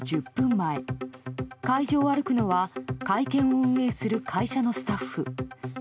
前会場を歩くのは会見を運営する会社のスタッフ。